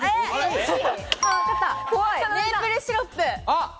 メープルシロップ。